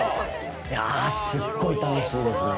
いやすっごい楽しいですね。